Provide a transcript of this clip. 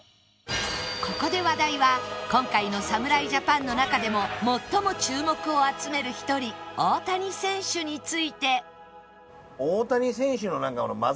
ここで話題は今回の侍ジャパンの中でも最も注目を集める一人大谷選手について